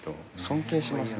尊敬します。